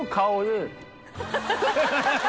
ハハハ